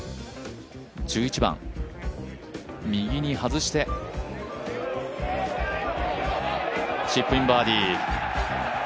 １１番、右に外してチップインバーディー。